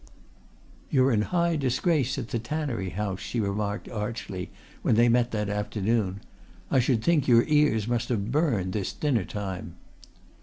"You're in high disgrace at the Tannery House," she remarked archly when they met that afternoon. "I should think your ears must have burned this dinner time."